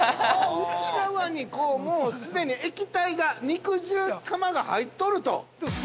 ◆内側に、もうすでに液体が肉汁玉が入っとると！